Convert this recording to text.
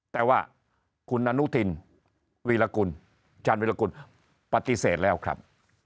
แต่ว่าคุณอนุทินวีรกุลชาญวิรากุลปฏิเสธแล้วครับ